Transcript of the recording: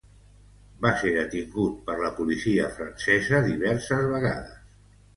Va ser detingut per la policia francesa diverses vegades.